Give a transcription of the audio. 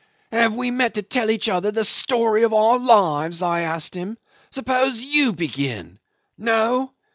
'Have we met to tell each other the story of our lives?' I asked him. 'Suppose you begin. No?